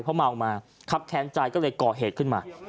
เพราะเมามาครับแค้นใจก็เลยก่อเหตุขึ้นมา